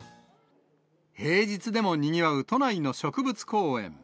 平日でもにぎわう都内の植物公園。